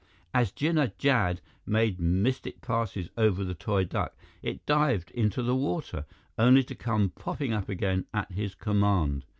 As Jinnah Jad made mystic passes over the toy duck, it dived into the water, only to come popping up again at his command.